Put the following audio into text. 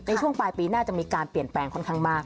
ในช่วงปลายปีหน้าจะมีการเปลี่ยนแปลงค่อนข้างมาก